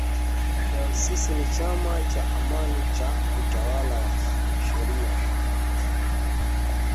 Sisi ni chama cha Amani chama cha utawala wa sharia